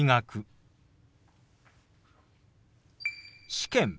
「試験」。